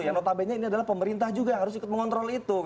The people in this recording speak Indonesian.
yang notabene ini adalah pemerintah juga yang harus ikut mengontrol itu